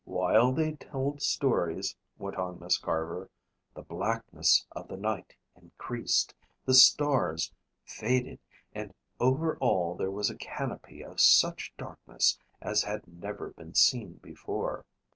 "While they told stories," went on Miss Carver, "the blackness of the night increased, the stars faded and over all there was a canopy of such darkness as had never been seen before.